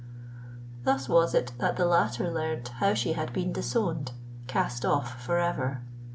Thus was it that the latter learnt how she had been disowned—cast off for ever!